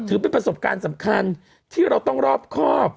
ถือเป็นประสบการณ์สำคัญที่เราต้องรอบครอบ